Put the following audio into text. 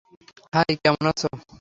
High, কেমন আছো?